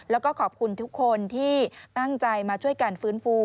แล้วก็ขอบคุณทุกคนที่ตั้งใจมาช่วยกันฟื้นฟู